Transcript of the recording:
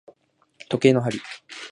時計の針